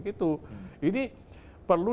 gitu ini perlu